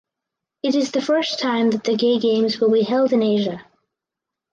It is the first time that the Gay Games will be held in Asia.